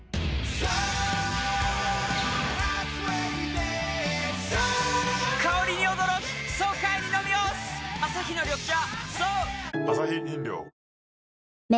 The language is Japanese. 颯颯アサヒの緑茶